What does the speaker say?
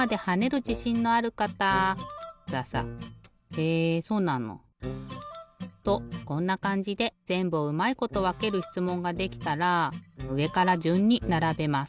へえそうなの！とこんなかんじでぜんぶをうまいことわけるしつもんができたらうえからじゅんにならべます。